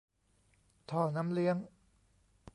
ท่อน้ำเลี้ยง !